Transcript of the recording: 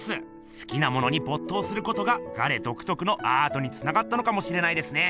すきなものにぼっ頭することがガレどくとくのアートにつながったのかもしれないですね！